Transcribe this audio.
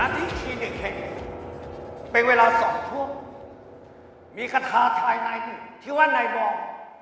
นัดที่ทีเดียวแข่งเป็นเวลาสองทั่วมีกระทาทายนายสิที่ว่านายบอก